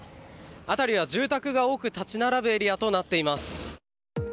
辺りは住宅が多く立ち並ぶエリアとなっています。